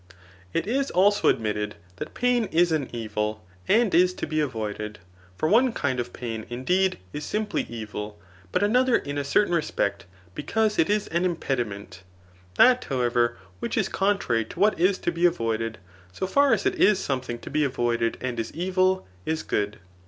It is also adimtted, that pain is an evil and is to be inroided ; for cme kind of pain, indeed, is simply evil, bat another in a certain respect, because it is an impediment. That, however, which is contrary to what is to be avoided, 80 far as it is something to be avoided and is evil, is good.